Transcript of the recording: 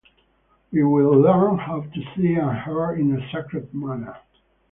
We will learn how to see and hear in a sacred manner.